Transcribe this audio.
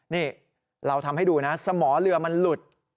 นี่เราทำให้ดูนะสมอเรือมันหลุด